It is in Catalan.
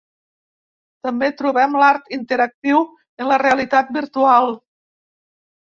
També trobem l'art interactiu en la realitat virtual.